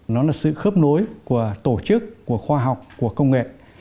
nó là sự khớp nối của tổ chức của khoa học của công nghệ